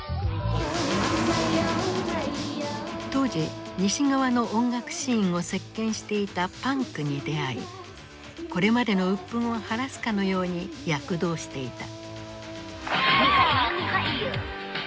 当時西側の音楽シーンを席巻していたパンクに出会いこれまでの鬱憤を晴らすかのように躍動していた。